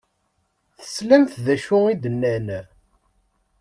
Teslamt d acu i d-nnan?